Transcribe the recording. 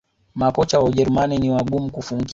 Makocha wa Ujerumani ni wagumu kufungika